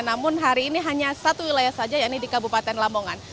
namun hari ini hanya satu wilayah saja yaitu di kabupaten lamongan